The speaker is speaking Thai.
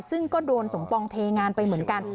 ซึ่งก็โดนสมปองเทงานไปเหมือนกัน